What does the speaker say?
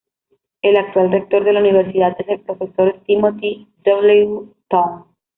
El actual Rector de la Universidad es el profesor Timothy W. Tong.